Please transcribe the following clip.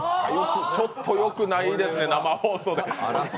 ちょっとよくないですね、生放送で。